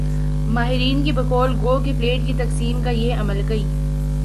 ماہرین کی بقول گو کہ پلیٹ کی تقسیم کا یہ عمل کئی